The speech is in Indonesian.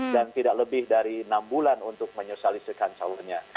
dan tidak lebih dari enam bulan untuk menyosalisikan calonnya